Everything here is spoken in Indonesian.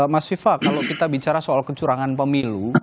mas viva kalau kita bicara soal kecurangan pemilu